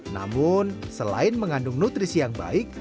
namun selain mengandung nutrisi yang baik